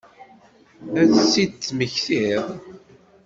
Ad tt-id-temmektiḍ?